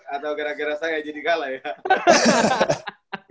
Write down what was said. atau gara gara saya jadi kalah ya